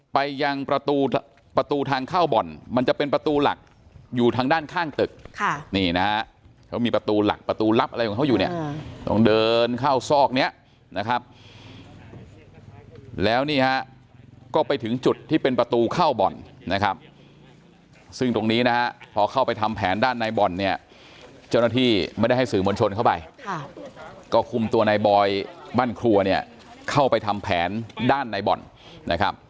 ไปยังประตูประตูทางเข้าบ่อนมันจะเป็นประตูหลักอยู่ทางด้านข้างตึกค่ะนี่นะฮะเขามีประตูหลักประตูลับอะไรของเขาอยู่เนี่ยต้องเดินเข้าซอกเนี้ยนะครับแล้วนี่ฮะก็ไปถึงจุดที่เป็นประตูเข้าบ่อนนะครับซึ่งตรงนี้นะฮะพอเข้าไปทำแผนด้านในบ่อนเนี่ยเจ้าหน้าที่ไม่ได้ให้สื่อมวลชนเข้าไปค่ะก็คุมตัวในบอยบ้านครัวเนี่ยเข้าไปทำแผนด้านในบ่อนนะครับ